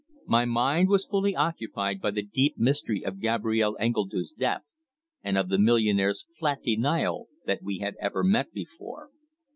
My mind was fully occupied by the deep mystery of Gabrielle Engledue's death, and of the millionaire's flat denial that we had ever met before.